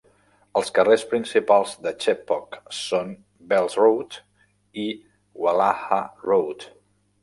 Els carrers principals de Chepauk són Bells Road i Walajah Road.